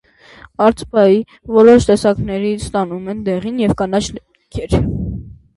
Արծպայի որոշ տեսակներից ստանում են դեղին և կանաչ ներկեր։